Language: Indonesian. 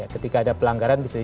ketika ada pelanggaran bisa